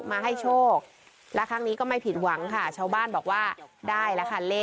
มาให้โชคและครั้งนี้ก็ไม่ผิดหวังค่ะชาวบ้านบอกว่าได้แล้วค่ะ